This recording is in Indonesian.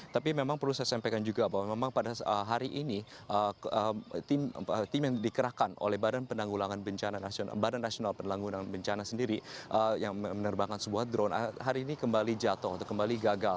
tapi memang perlu saya sampaikan juga bahwa memang pada hari ini tim yang dikerahkan oleh badan nasional penanggulangan bencana sendiri yang menerbangkan sebuah drone hari ini kembali jatuh atau kembali gagal